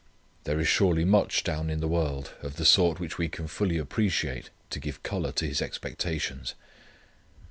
There is surely much down in the world of the sort which we can fully appreciate to give colour to his expectations.